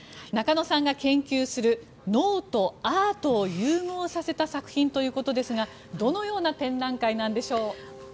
中野さんが研究する脳とアートを融合させた作品ということですがどのような展覧会なんでしょう？